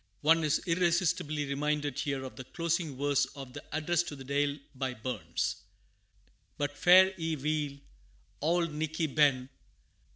One is irresistibly reminded here of the closing verse of the Address to the Deil, by Burns: "But fare ye weel, Auld Nickie ben!